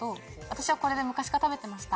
私は昔から食べてました。